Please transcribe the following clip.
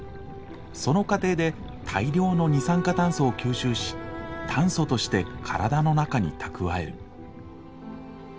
その過程で大量の二酸化炭素を吸収し炭素として体の中に蓄える。